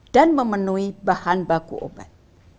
dan memenuhi bahan baku obat